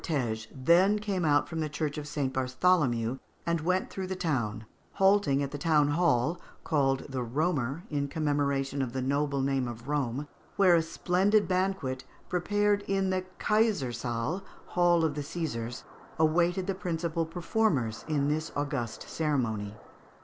] The imperial cortége then came out from the Church of St. Bartholomew, and went through the town, halting at the town hall (called the Roemer, in commemoration of the noble name of Rome), where a splendid banquet, prepared in the Kaysersaal (hall of the Caesars), awaited the principal performers in this august ceremony.